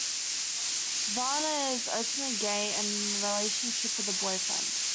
Varner is openly gay and in a relationship with a boyfriend.